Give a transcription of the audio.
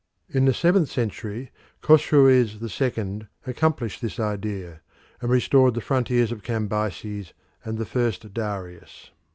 In the seventh century Chosroes the Second accomplished this idea, and restored the frontiers of Cambyses and the first Darius.